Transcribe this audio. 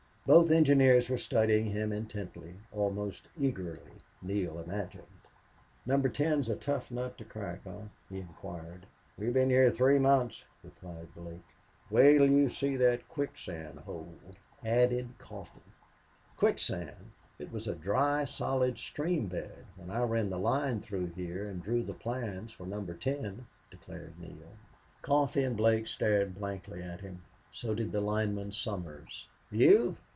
Both engineers were studying him intently, almost eagerly, Neale imagined. "Number Ten's a tough nut to crack, eh?" he inquired. "We've been here three months," replied Blake. "Wait till you see that quicksand hole," added Coffee. "Quicksand! It was a dry, solid stream bed when I ran the line through here and drew the plans for Number Ten," declared Neale. Coffee and Blake stared blandly at him. So did the lineman Somers. "You?